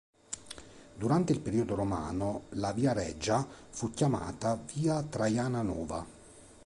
Durante il periodo romano, la "Via Regia" fu chiamata "Via Traiana Nova".